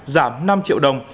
giảm năm triệu đồng